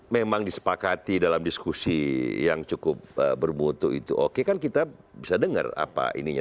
memang disepakati dalam diskusi yang cukup bermutu itu oke kan kita bisa dengar apa ininya